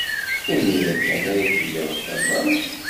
Imir-a kan ay as-tegreḍ tamawt?